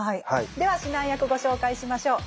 では指南役ご紹介しましょう。